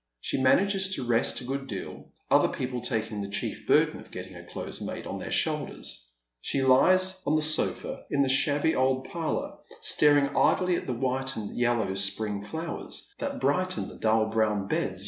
Slie manages to rest a good deal, other people taking the chief burden of getting her clothes made on their shoulders. She lies OP the sofa in the shabby old parlour, staring idly at the white and yellow spring flowers that brighten the dull brown beda 62 Dead Men's Shoes.